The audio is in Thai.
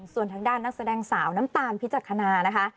ส่วนทางด้านนักแสดงสาวน้ำตาลพิจักษณานะคะ